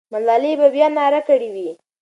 ملالۍ به بیا ناره کړې وي.